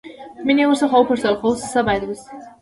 مينې ورڅخه وپوښتل خو اوس څه بايد وشي.